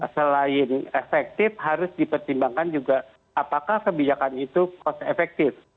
selain efektif harus dipertimbangkan juga apakah kebijakan itu cost efektif